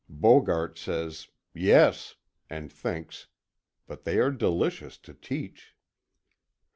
Bogart says "Yes;" and thinks, "but they are delicious to teach."